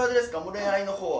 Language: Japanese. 恋愛の方はもう。